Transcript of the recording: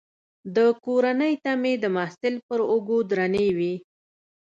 د کورنۍ تمې د محصل پر اوږو درنې وي.